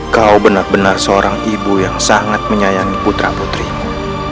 kau benar benar seorang ibu yang sangat menyayangi putra putrimu